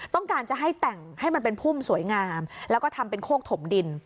ต้องการจะให้แต่งให้มันเป็นพุ่มสวยงามแล้วก็ทำเป็นโคกถมดิน